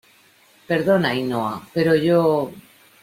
perdona, Ainhoa , pero yo...